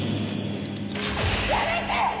やめて！